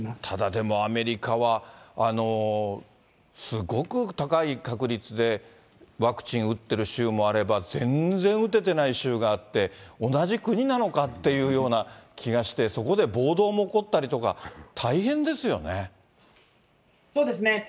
ただでも、アメリカはすごく高い確率でワクチン打ってる州もあれば、全然打ててない州があって、同じ国なのかっていうような気がして、そこで暴動も起こったりとか、大変ですよね。